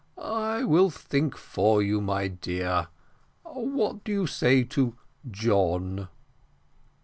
"I will think for you, my dear. What do you say to John?"